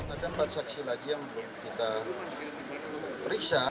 ada empat saksi lagi yang belum kita periksa